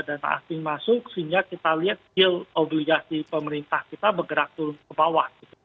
dana asing masuk sehingga kita lihat yield obligasi pemerintah kita bergerak turun ke bawah